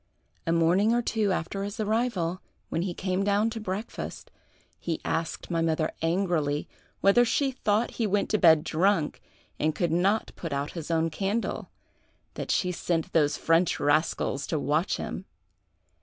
A morning or two after his arrival, when he came down to breakfast, he asked my mother angrily whether she thought he went to bed drunk and could not put out his own candle, that she sent those French rascals to watch him.